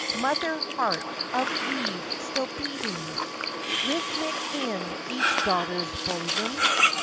Mother heart of Eve still beating Rhythmic in each daughter's bosom!